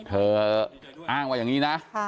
เธออ้างว่าอย่างนี้นะ